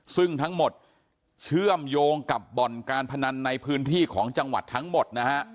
ซึ่งทั้งหมดเชื่อมโยงกับบ่อนการพนันในพื้นที่ของจังหวัดทั้งหมดนะฮะ